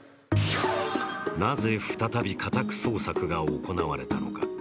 なぜ再び家宅捜索が行われたのか。